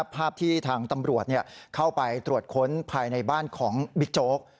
ภาพที่ทางตำรวจเข้าไปตรวจค้นภายในบ้านของบิ๊กโจ๊ก